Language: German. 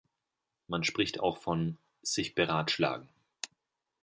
Man spricht auch von "sich beratschlagen".